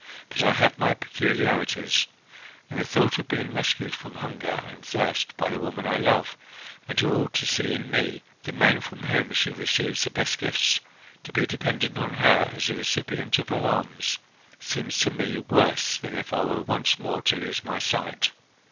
But I have my peculiarities, and the thought of being rescued from hunger and thirst by the woman I love, and who ought to see in me the man from whom she receives the best gifts to be dependent on her as the recipient of her alms seems to me worse than if I were once more to lose my sight.